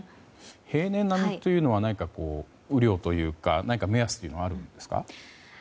平年並みというのは雨量というか何か目安というのはあるんですか？